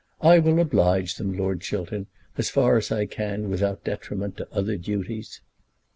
I will oblige them, Lord Chiltern, as far as I can without detriment to other duties."